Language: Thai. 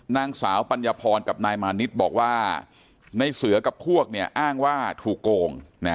นางสาวปัญญาพรกับนายมานิดบอกว่าในเสือกับพวกอ้างว่าถูกโกง